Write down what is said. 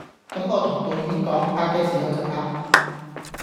咁我同導演講，拍嘅時候就拍！